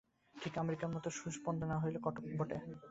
ঠিক আমেরিকার মত সুসম্পন্ন না হলেও কতক বটে।